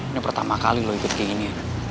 ini pertama kali lo ikut kayak gini